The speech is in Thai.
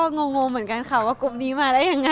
งงเหมือนกันค่ะว่ากลุ่มนี้มาได้ยังไง